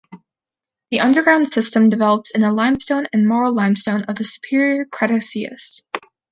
The underground system develops in the limestone and marl-limestone of the superior Cretaceous.